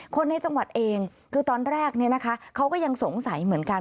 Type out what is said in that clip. คนในจังหวัดเองคือตอนแรกเขาก็ยังสงสัยเหมือนกัน